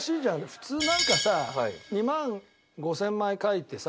普通なんかさ２万５０００枚書いてさ